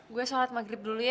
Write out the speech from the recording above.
gue sholat maghrib dulu ya